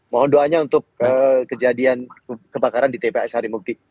mohon doanya untuk kejadian kebakaran di tps harimukti